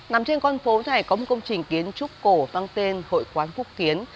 nằm trên con phố này có một công trình kiến trúc cổ tăng tên hội quán phúc kiến